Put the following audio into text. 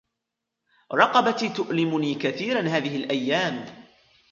رقبتي تؤلمني كثيرا هذه الأيام